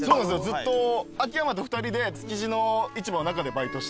ずっと秋山と２人で築地の市場の中でバイトしてて。